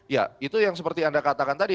ya itu yang seperti anda katakan tadi